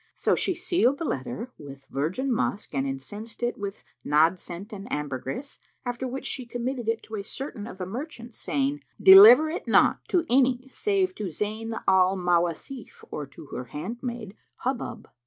So she sealed the letter with virgin musk and incensed it with Nadd scent and ambergris, after which she committed it to a certain of the merchants saying, "Deliver it not to any save to Zayn al Mawasif or to her handmaid Hubub."